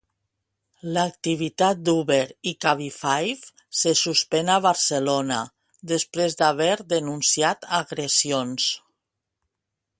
L'activitat d'Uber i Cabify se suspèn a Barcelona després d'haver denunciat agressions.